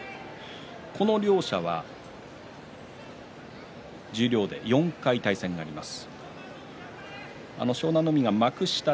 この両者十両で４回対戦があります。